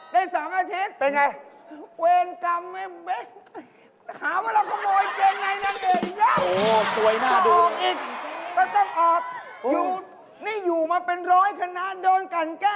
แล้วหลังจากนั้นน่ะ